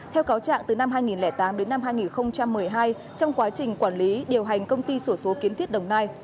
theo cáo trạng từ năm hai nghìn tám đến năm hai nghìn một mươi hai trong quá trình quản lý điều hành công ty sổ số kiến thiết đồng nai